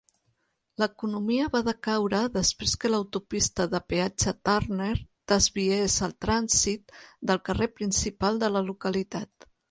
L'economia va decaure després que l'autopista de peatge Turner desviés el trànsit del carrer principal de la localitat.